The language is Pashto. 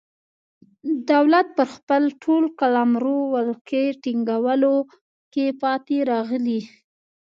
دولت پر خپل ټول قلمرو ولکې ټینګولو کې پاتې راغلی.